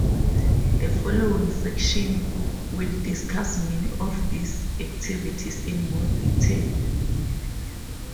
The following section will discuss many of these activities in more detail.